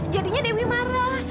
jadinya dewi marah